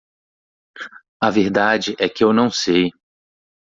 A verdade é que eu não sei.